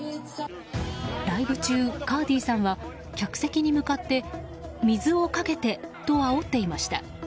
ライブ中、カーディさんは客席に向かって水をかけてとあおっていました。